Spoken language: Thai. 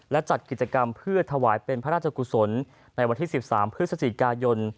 และจัดกิจกรรมเพื่อถวายเป็นพระราชกุศลในวันที่๑๓พฤศจิกายน